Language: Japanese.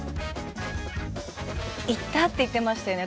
いたって言ってましたよね。